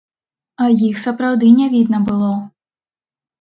А іх сапраўды не відна было.